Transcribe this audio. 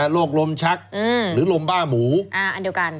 โรคลมชักหรือลมบ้าหมูอันเดียวกัน